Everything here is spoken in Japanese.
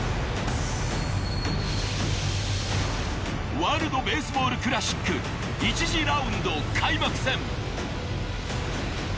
ワールドベースボールクラシック１次ラウンド開幕戦。